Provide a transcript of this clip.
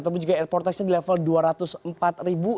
tapi juga airport tax nya di level dua ratus empat ribu